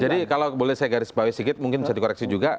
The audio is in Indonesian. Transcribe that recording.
jadi kalau boleh saya garis bawah sedikit mungkin bisa dikoreksi juga